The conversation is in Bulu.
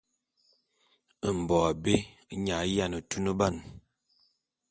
Mbo abé nye a yiane tuneban.